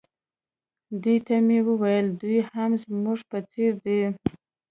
دې ته مې وویل دوی هم زموږ په څېر دي.